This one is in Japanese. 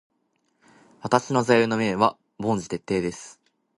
私の座右の銘は凡事徹底です。